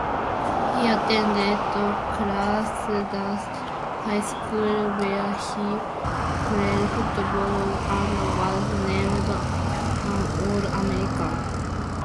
He attended Clarksdale High School, where he played football and was named an All-American.